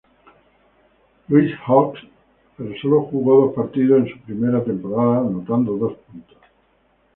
Louis Hawks, pero sólo jugó dos partidos en su primera temporada, anotando dos puntos.